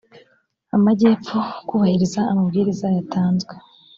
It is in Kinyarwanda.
amajyepfo kubahiriza amabwiriza yatanzwe